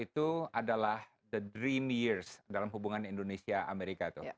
itu adalah the dream years dalam hubungan indonesia amerika